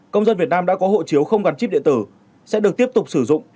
công dân việt nam đã có hộ chiếu không gắn chip điện tử sẽ được tiếp tục sử dụng